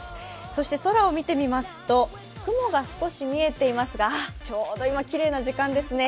そして空を見てみますと雲が少し見えていますが、ちょうど今、きれいな時間ですね。